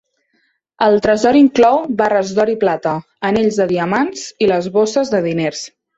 El tresor inclou barres d'or i plata, anells de diamants, i les bosses de diners.